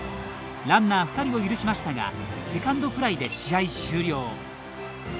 ランナー２人を許しましたがセカンドフライで試合終了。